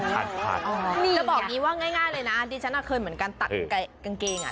จะบอกงี้ว่าง่ายเลยนะดิฉันอาเคินเหมือนการตัดกางเกงอะ